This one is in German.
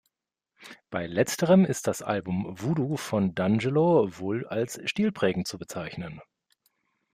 Bei Letzterem ist das Album "Voodoo" von D’Angelo wohl als stilprägend zu bezeichnen.